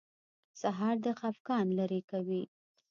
سهار د خفګان لرې کوي.